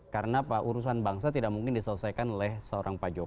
karena urusan bangsa tidak mungkin diselesaikan oleh seorang pak jokowi